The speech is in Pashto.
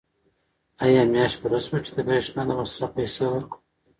آیا میاشت پوره شوه چې د برېښنا د مصرف پیسې ورکړو؟